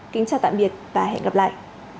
kính chào tạm biệt và hẹn gặp lại